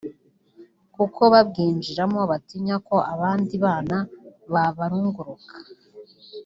kuko babwinjiramo batinya ko abandi bana babarunguruka